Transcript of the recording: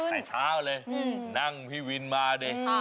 แต่เช้าเลยนั่งพี่วินมาดิ